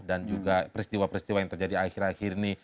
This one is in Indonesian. dan juga peristiwa peristiwa yang terjadi akhir akhir ini